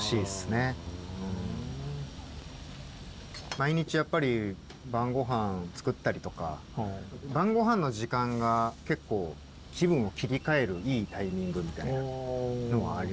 毎日やっぱり晩ごはん作ったりとか晩ごはんの時間が結構気分を切り替えるいいタイミングみたいなのはありますね。